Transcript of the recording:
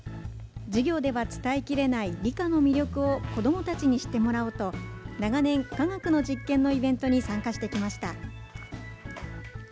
授業では伝えきれない理科の魅力を子どもたちに知ってもらおうと、長年、科学の実験のイベントに参加してきました。